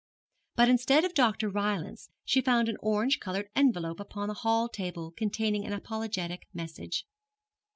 But instead of Dr. Rylance she found an orange coloured envelope upon the hall table containing an apologetic message.